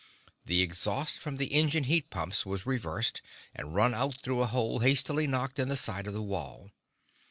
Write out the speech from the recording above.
The exhaust from the engine heat pumps was reversed, and run out through a hole hastily knocked in the side of the wall.